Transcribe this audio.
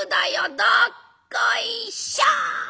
どっこいしょ！」。